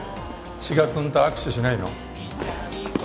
志賀君と握手しないの？